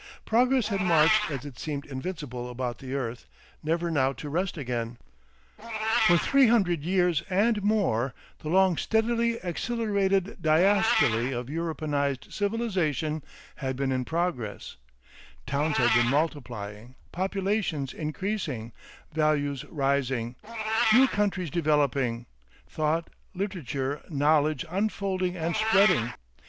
Progress had marched as it seemed invincible about the earth, never now to rest again. For three hundred years and more the long steadily accelerated diastole of Europeanised civilisation had been in progress: towns had been multiplying, populations increasing, values rising, new countries developing; thought, literature, knowledge unfolding and spreading.